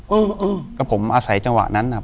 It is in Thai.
อยู่ที่แม่ศรีวิรัยิลครับ